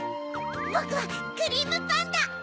ボクはクリームパンダ！